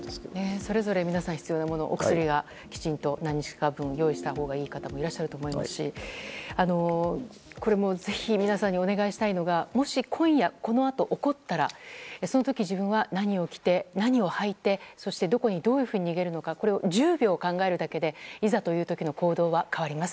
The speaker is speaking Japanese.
それぞれ皆さん必要なものお薬を用意したほうがいい方もいらっしゃると思いますしぜひ皆さんにお願いしたいのがもし今夜、このあと起こったらその時自分が何を着て何を履いてそして、どこにどういうふうに逃げるのかこれを１０秒考えるだけでいざという時の行動は変わります。